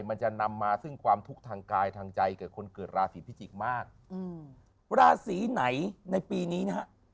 มันจะนำมาซึ่งความทุกข์ทางกายทางใจกับคนเกิดราศีพิจิกษ์มากอืมราศีไหนในปีนี้นะฮะ